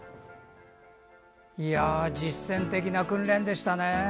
実践的な訓練でしたね。